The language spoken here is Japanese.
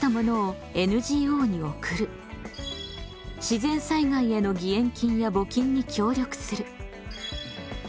自然災害への義援金や募金に協力する。